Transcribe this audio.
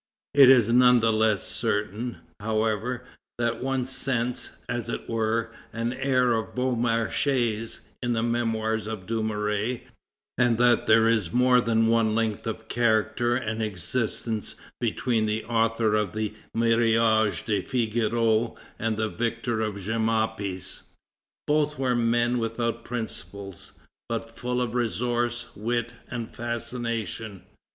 It is none the less certain, however, that one scents, as it were, an air of Beaumarchais in the Memoirs of Dumouriez, and that there is more than one link of character and existence between the author of the Mariage de Figaro and the victor of Jemmapes. Both were men without principles, but full of resource, wit, and fascination.